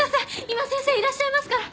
今先生いらっしゃいますから。